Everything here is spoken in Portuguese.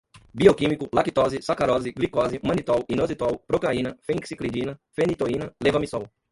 bioquímico, lactose, sacarose, glicose, manitol, inositol, procaína, fenciclidina, fenitoína, levamisol